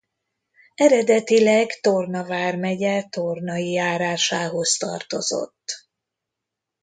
Eredetileg Torna vármegye Tornai járásához tartozott.